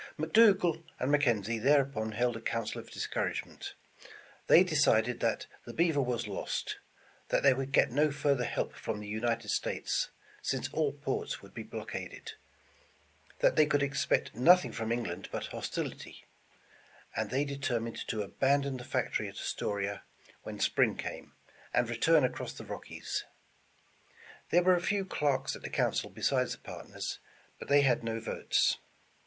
McDougal and McKenzie thereupon held a council of discourage ment. They decided that the Beaver was lost ; that they would get no further help from the United States, since all ports would be blockaded ; that they could expect nothing from England but hostility; and they deter 208 England's Trophy minded to abandon the factory at Astoria when spring came, and return across the Rockies. There were a few clerks at the council besides the partners, but they had no votes.